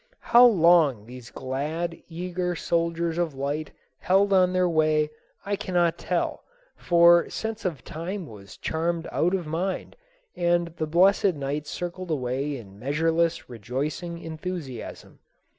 How long these glad, eager soldiers of light held on their way I cannot tell; for sense of time was charmed out of mind and the blessed night circled away in measureless rejoicing enthusiasm.